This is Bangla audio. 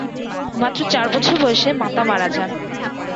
মাত্র চার বছর বয়সে মাতা মারা যান।